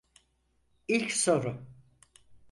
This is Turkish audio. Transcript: İlk soru.